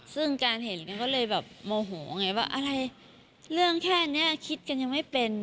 ซึ่งการเห็นแกก็เลยแบบโมโหไงว่าอะไรเรื่องแค่นี้คิดกันยังไม่เป็น